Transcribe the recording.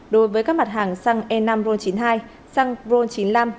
đối với các mặt hàng xăng e năm ron chín mươi hai xăng ron chín mươi năm